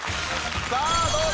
さあどうだ？